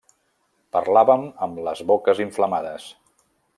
Parlàvem amb les boques inflamades.